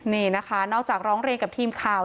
นี่นะคะนอกจากร้องเรียนกับทีมข่าว